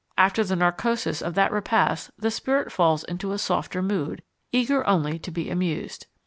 After the narcosis of that repast the spirit falls into a softer mood, eager only to be amused.